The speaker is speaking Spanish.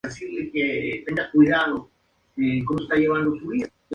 Los representantes del Claustro de Profesores duran cuatro años en sus funciones.